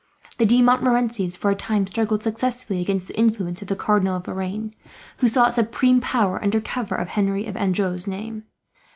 The De Montmorencys, for a time, struggled successfully against the influence of the Cardinal of Lorraine; who sought supreme power, under cover of Henry of Anjou's name.